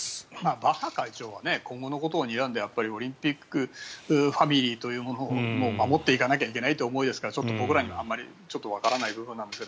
バッハ会長は今後のことをにらんでやっぱりオリンピックファミリーというものを守っていかなきゃいけないという思いですから僕らにはあまりわからないことですが。